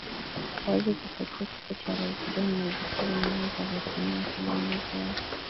wazi kufuatia kifo cha Rais John Magufuli mnamo tarehe kumi na saba mwezi wa